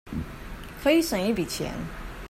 可以省一筆錢